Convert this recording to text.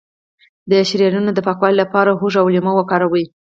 د شریانونو د پاکوالي لپاره هوږه او لیمو وکاروئ